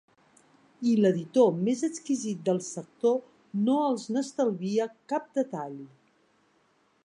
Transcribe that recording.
I l'editor més exquisit del sector no els n'estalvia cap detall.